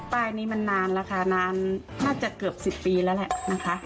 ป้ายนี้มันนานแล้วค่ะนานน่าจะเกือบ๑๐ปีแล้วแหละนะคะ